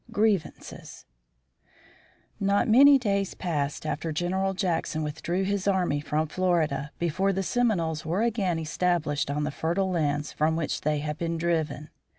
GRIEVANCES Not many days passed after General Jackson withdrew his army from Florida before the Seminoles were again established on the fertile lands from which they had been driven.